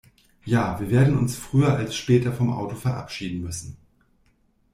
Ja, wir werden uns früher als später vom Auto verabschieden müssen.